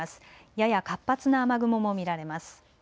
やや活発な雨雲も見られます。